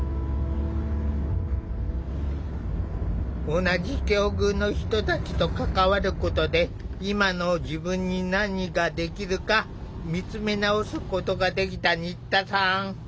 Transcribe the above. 同じ境遇の人たちと関わることで今の自分に何ができるか見つめ直すことができた新田さん。